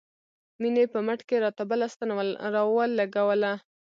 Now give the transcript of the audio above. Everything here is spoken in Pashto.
مينې په مټ کښې راته بله ستن راولګوله.